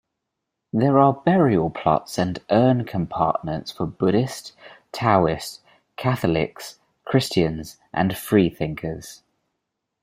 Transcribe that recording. There are burial plots and urn compartments for Buddhist, Taoist, Catholics, Christians and free-thinkers.